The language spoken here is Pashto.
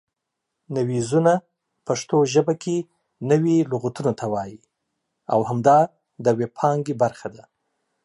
نویزونه پښتو ژبه کې نوي لغتونو ته وایي او همدا د وییپانګې برخه ده